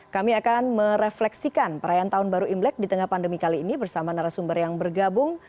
kami akan merefleksikan perayaan tahun baru imlek di tengah pandemi kali ini bersama narasumber yang bergabung